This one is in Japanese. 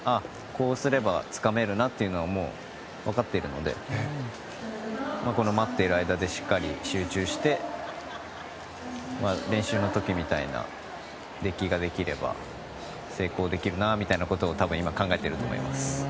こうすればつかめるなというのをもう分かっているのでこの待っている間でしっかり集中して練習の時みたいな出来ができれば成功できるなみたいなことを多分、今考えていると思います。